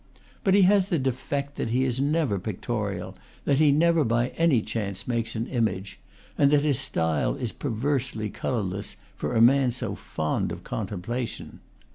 But he has the de fect that he is never pictorial, that he never by any chance makes an image, and that his style is per versely colorless, for a man so fond of contemplation.